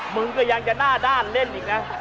มึงก็ยังจะหน้าด้านเล่นอีกนะ